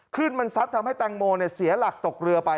ขึ้นมันซัดทำให้แตงโมเสียหลักตกเรือไป